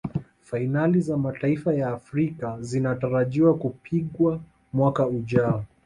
fainali za mataifa ya afrika zinatarajiwa kupigwa mwaka ujao